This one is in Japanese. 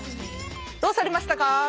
「どうされましたか？」。